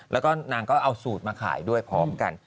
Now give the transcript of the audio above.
แล้วก็นางก็เอาสูตรมาขายด้วยพร้อมกัน